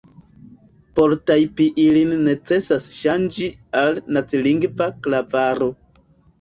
Por tajpi ilin necesas ŝanĝi al nacilingva klavaro.